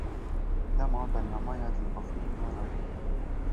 Dema bernameya Dilbixwîn Dara ye.